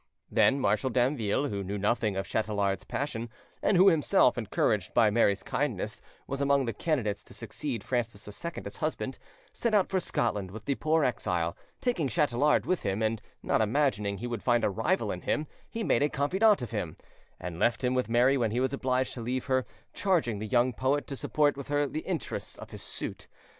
Then Marshal Damville, who knew nothing of Chatelard's passion, and who himself, encouraged by Mary's kindness, was among the candidates to succeed Francis II as husband, set out for Scotland with the poor exile, taking Chatelard with him, and, not imagining he would find a rival in him, he made a confidant of him, and left him with Mary when he was obliged to leave her, charging the young poet to support with her the interests of his suit.